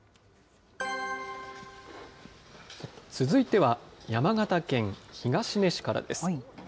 続いては、山形県東根市からです。